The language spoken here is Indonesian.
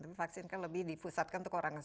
tapi vaksin kan lebih dipusatkan ke orang sehat